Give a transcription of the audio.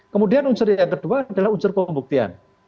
kemudian unsur yang kedua adalah unsur pembuktian